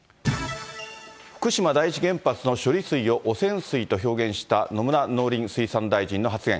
福島第一原発の処理水を汚染水と表現した野村農林水産大臣の発言。